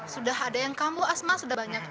sudah ada yang kamu asma sudah banyak